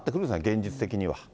現実的には。